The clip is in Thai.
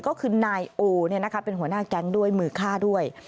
ก็คือนายโอเป็นหัวหน้าแก๊งด้วยมือฆ่าด้วย